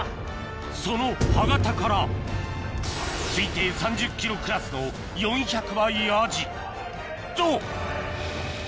その歯形から推定３０ｋｇクラスの４００倍アジと！